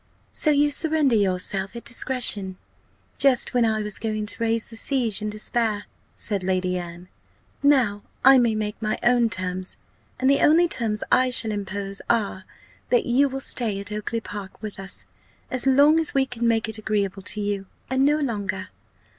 "So you surrender yourself at discretion, just when I was going to raise the siege in despair," said Lady Anne: "now I may make my own terms; and the only terms I shall impose are, that you will stay at Oakly park with us, as long as we can make it agreeable to you, and no longer.